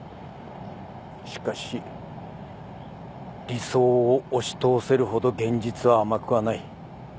しかし理想を押し通せるほど現実は甘くはない。